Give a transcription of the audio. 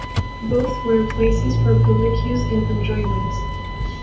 Both were places for public use and enjoyment.